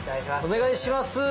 お願いします。